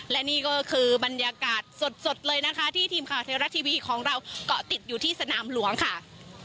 และนี่ก็คือบรรยากาศสดเลยนะคะที่ทีมข่าวเทราะทีวีของเราก็ติดอยู่ที่สนามหลวงค่ะ